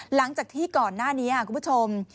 หลังจากที่ก่อนหน้านี้คุณผู้ชม